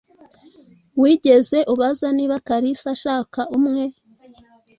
Wigeze ubaza niba Kalisa ashaka umwe?